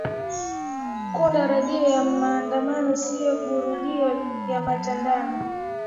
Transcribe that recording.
kuunda redio ya mtandaoni siyo ngumuredio ya mtandaoni